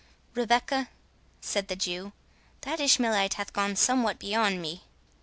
"Rebecca," said the Jew, "that Ishmaelite hath gone somewhat beyond me.